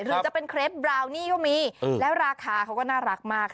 หรือจะเป็นเครปบราวนี่ก็มีแล้วราคาเขาก็น่ารักมาก